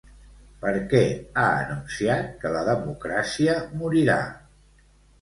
Per què ha anunciat que la democràcia morirà?